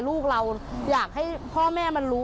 ลูกเราอยากให้พ่อแม่มันรู้